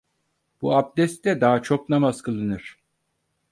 Bu abdestle daha çok namaz kılınır.